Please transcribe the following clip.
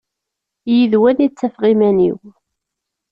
Yid-wen i ttafeɣ iman-iw.